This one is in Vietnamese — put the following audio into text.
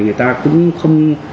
người ta cũng không